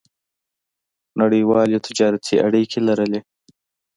نړیوالې تجارتي اړیکې لرلې.